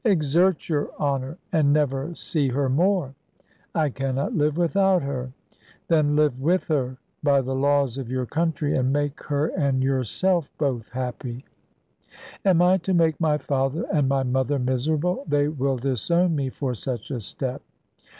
"Exert your honour, and never see her more." "I cannot live without her." "Then live with her by the laws of your country, and make her and yourself both happy." "Am I to make my father and my mother miserable? They would disown me for such a step."